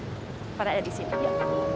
yang pada ada di sini